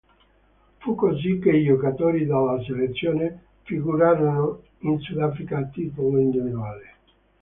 Fu così che i giocatori della selezione figurarono in Sudafrica a titolo individuale.